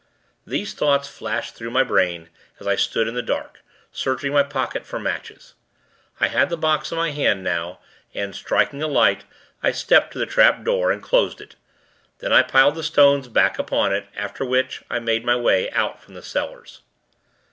These thoughts flashed through my brain, as I stood in the dark, searching my pockets for matches. I had the box in my hand now, and, striking a light, I stepped to the trap door, and closed it. Then, I piled the stones back upon it; after which, I made my way out from the cellars.